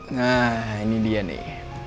nah ini dia nih